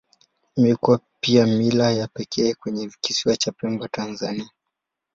Imekuwa pia mila ya pekee kwenye Kisiwa cha Pemba, Tanzania.